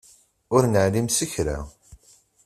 Ur neεlim s kra.